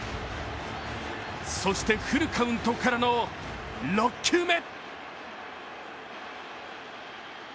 そして、フルカウントからの６球目。